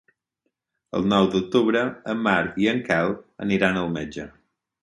El nou d'octubre en Marc i en Quel aniran al metge.